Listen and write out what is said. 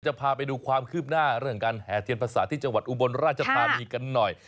จะพาไปดูความคืบหน้าเรื่องการแห่เทียนภาษาที่จังหวัดอุบลราชธานีกันหน่อย